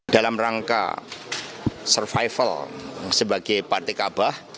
dalam rangka survival sebagai parti kabah